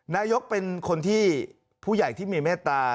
นายกเป็นคนที่ผู้ใหญ่ที่มีเมตตา